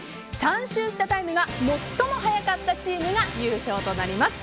３周したタイムが最も速かったチームが優勝です。